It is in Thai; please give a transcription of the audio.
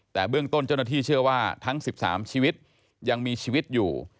แต่เบื้องต้นเจ้าหน้าที่เชื่อว่าทั้ง๑๓ชีวิตยังมีชีวิตอยู่